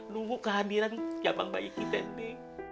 nunggu kehadiran siapang bayi kita ini